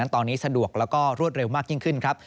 ตอนนี้สะดวกแล้วก็รวดเร็วมากยิ่งขึ้นครับ